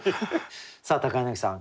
さあ柳さん